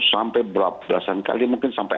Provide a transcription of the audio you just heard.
sampai belasan kali mungkin sampai